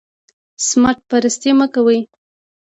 سمت پرستي مه کوئ